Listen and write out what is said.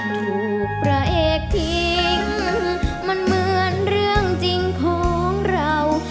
ถูกพระเอกทิ้งมันเหมือนเรื่องจริงของเรา